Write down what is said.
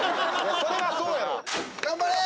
・それはそうや頑張れー！